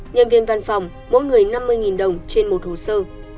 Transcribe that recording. nhân viên văn phòng mỗi người năm mươi đồng trên một hồ sơ